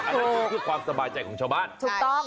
อันนั้นคือความสบายใจของชาวบ้าน